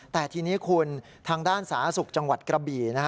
แต่ทีนี้คุณทางด้านสาธารณสุขจังหวัดกระบี่